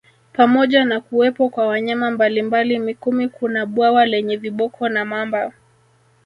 Pamoja na kuwepo kwa wanyama mbalimbali Mikumi kuna bwawa lenye viboko na mamba